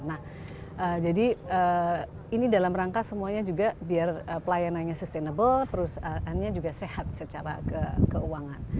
nah jadi ini dalam rangka semuanya juga biar pelayanannya sustainable perusahaannya juga sehat secara keuangan